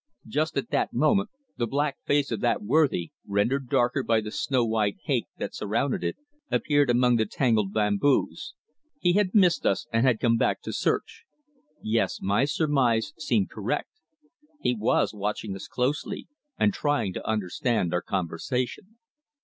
Just at that moment the black face of that worthy, rendered darker by the snow white haick that surrounded it, appeared among the tangled bamboos. He had missed us, and had come back to search. Yes, my surmise seemed correct. He was watching us closely and trying to understand our conversation.